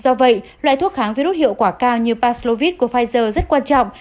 do vậy loại thuốc kháng virus hiệu quả cao như paslovit của pfizer rất quan trọng